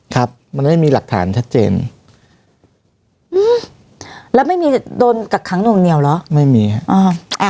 ครับมันไม่มีหลักฐานชัดเจนอืมแล้วไม่มีโดนกักขังหน่วงเหนียวเหรอไม่มีฮะอ่า